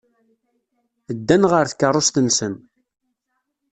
Ddan ɣer tkeṛṛust-nsen.